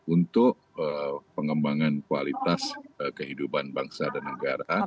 untuk pengembangan kualitas kehidupan bangsa dan negara